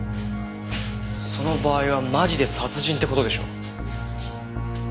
その場合はマジで殺人って事でしょ？